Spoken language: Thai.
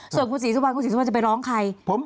ส่วนคุณศรีสุวรรณคุณศรีสุวรรณจะไปร้องใคร